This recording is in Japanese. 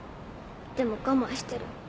でも我慢してる。